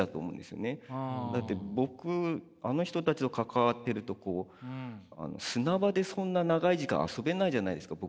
だって僕あの人たちと関わっていると砂場でそんな長い時間遊べないじゃないですか